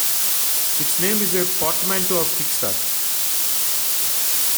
Its name is a portmanteau of "kick start".